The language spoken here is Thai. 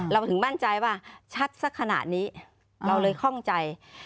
เราถึงมั่นใจว่าชัดสักขนาดนี้เราเลยคล่องใจ